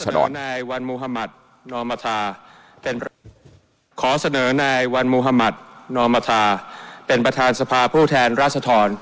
ขอเสนอนายวันมุฮมัธนมธเป็นประธานสภาพผู้แทนรัฐธร